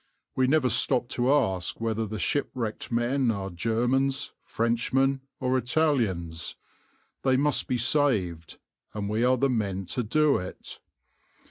We never stop to ask whether the shipwrecked men are Germans, Frenchmen, or Italians. They must be saved, and we are the men to do it.